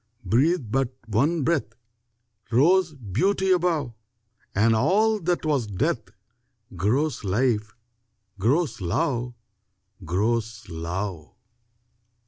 Breathe but one breath Rose beauty above, And all that was death Grows life, grows love, Grows love!